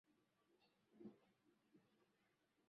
siku sita kabla ya kuachiwa kwa suchi